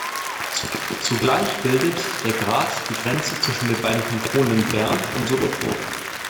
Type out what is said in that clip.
Zugleich bildet der Grat die Grenze zwischen den beiden Kantonen Bern und Solothurn.